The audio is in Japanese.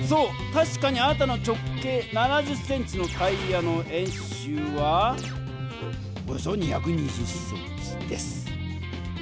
たしかにあなたの直径７０ｃｍのタイヤの円周はおよそ２２０ｃｍです。